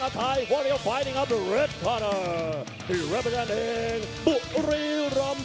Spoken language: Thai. ภารกิจสุดท้ายภารกิจสุดท้ายภารกิจสุดท้ายภารกิจสุดท้าย